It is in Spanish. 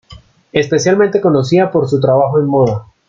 Especialmente conocida por su trabajo en moda.